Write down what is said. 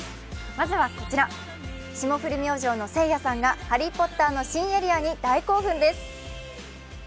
まずはこちら、霜降り明星のせいやさんが「ハリー・ポッター」の新エリアに大興奮です。